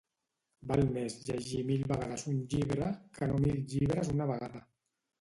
Val més llegir mil vegades un llibre, que no mil llibres una vegada